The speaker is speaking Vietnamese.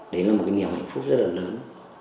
đấy là một cái niềm hạnh phúc rất là lớn